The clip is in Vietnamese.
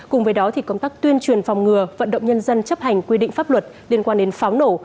cùng với đó công tác tuyên truyền phòng ngừa vận động nhân dân chấp hành quy định pháp luật liên quan đến pháo nổ